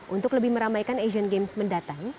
untuk lebih meramaikan asian games mendatang